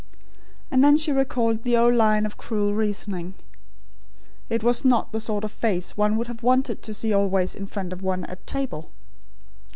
And then she recalled the old line of cruel reasoning: "It was not the sort of face one would have wanted to see always in front of one at table."